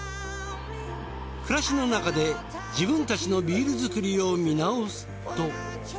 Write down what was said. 暮らしのなかで自分たちのビール造りを見直すと。